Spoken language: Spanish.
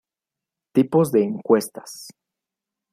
Tipos de encuestas.